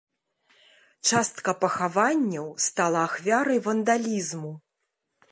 Частка пахаванняў стала ахвярай вандалізму.